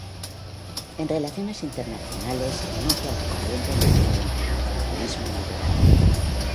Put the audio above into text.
En relaciones internacionales inicia la corriente del "Neo internacionalismo liberal".